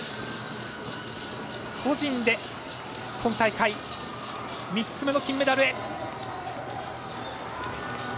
個人で今大会３つ目の金メダルへ。